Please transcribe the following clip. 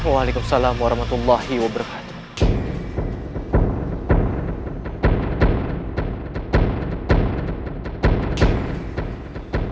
waalaikumsalam warahmatullahi wabarakatuh